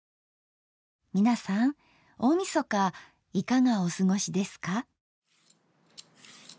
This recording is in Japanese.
皆さん大みそかいかがお過ごしですか？